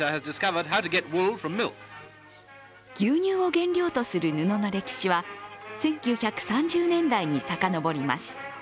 牛乳を原料とする布の歴史は１９３０年代にさかのぼります。